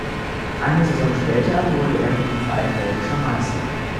Eine Saison später wurde er mit dem Verein belgischer Meister.